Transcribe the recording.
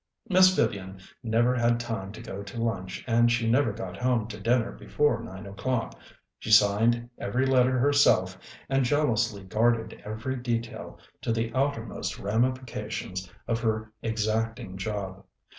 Miss Vivian never had time to go to lunch and she never got home to dinner before nine o'clock; she signed every letter herself and jealously guarded every detail to the outermost ramifications of her exacting job.